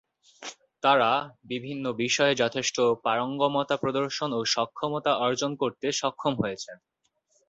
তাঁরা বিভিন্ন বিষয়ে যথেষ্ট পারঙ্গমতা প্রদর্শন ও সক্ষমতা অর্জন করতে সক্ষম হয়েছেন।